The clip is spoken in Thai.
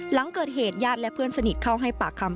หลังเกิดเหตุญาติและเพื่อนสนิทเข้าให้ปากคำ